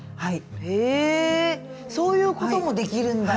へえそういうこともできるんだ。